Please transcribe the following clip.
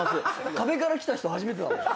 壁から来た人初めてだもん。